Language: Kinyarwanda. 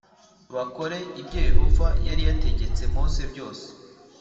bakora ibyoYehova yari yategetse Mose byose